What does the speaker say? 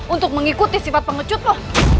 untuk mengikuti sifat pengecutmu